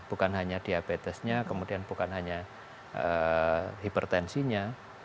bukan hanya diabetesnya kemudian bukan hanya hipertensinya